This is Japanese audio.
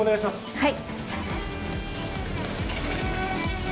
はい。